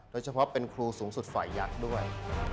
โดยเฉพาะเป็นครูสูงสุดฝ่ายยักษ์ด้วย